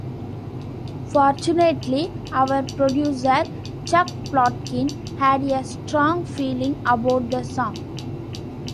Fortunately, our producer, Chuck Plotkin, had a strong feeling about the song.